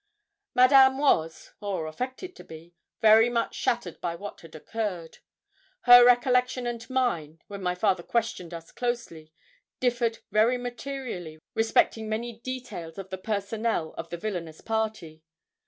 Madame was, or affected to be, very much shattered by what had occurred. Her recollection and mine, when my father questioned us closely, differed very materially respecting many details of the personnel of the villanous party.